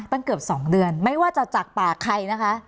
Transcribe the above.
ตั้งเกือบ๒เดือนไม่ว่าจะจากปากใครนะคะ